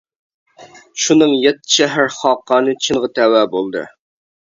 شۇنىڭ يەتتە شەھەر خاقانى چىنغا تەۋە بولدى.